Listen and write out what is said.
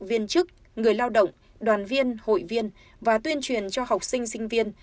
viên chức người lao động đoàn viên hội viên và tuyên truyền cho học sinh sinh viên